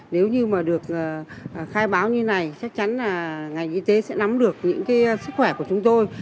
nếu như mà được khai báo như này chắc chắn là ngành y tế sẽ nắm được những sức khỏe của chúng tôi